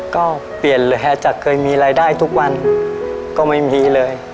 ก็เปลี่ยนเลยฮะจากเคยมีรายได้ทุกวันก็ไม่มีเลย